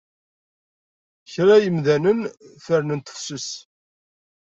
Kra n yimdanen fernen tefses.